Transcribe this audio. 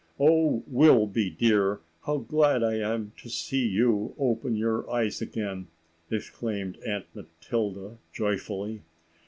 "O Wilby dear, how glad I am to see you open your eyes again!" exclaimed Aunt Matilda joyfully.